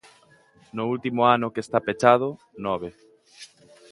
No último ano que está pechado, nove.